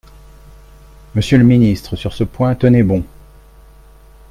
Monsieur le ministre, sur ce point, tenez bon